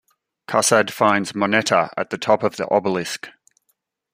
Kassad finds Moneta at the top of the Obelisk.